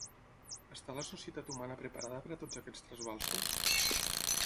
Està la societat humana preparada per a tots aquests trasbalsos?